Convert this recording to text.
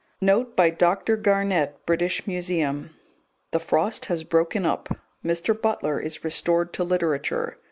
Note by Dr. Garnett, British Museum. The frost has broken up. Mr. Butler is restored to literature.